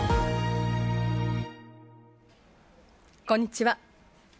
こんにちは。